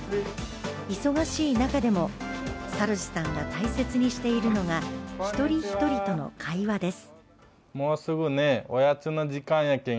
忙しい中でも、サロジさんが大切にしているのが一人一人との会話です。